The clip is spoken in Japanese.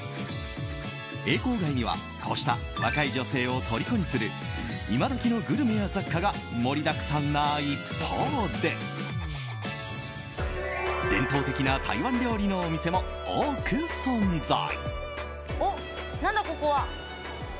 永康街にはこうした若い女性をとりこにする今どきのグルメや雑貨が盛りだくさんな一方で伝統的な台湾料理のお店も多く存在。